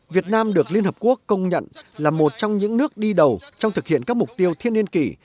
việt nam được liên hợp quốc công nhận là một trong những nước đi đầu trong thực hiện các mục tiêu thiên niên kỷ